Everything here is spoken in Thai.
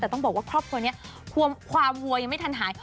แต่ต้องบอกว่าครอบครัวนี้ความวัวยังไม่ทันหาย